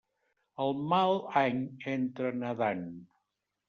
El mal any entra nedant.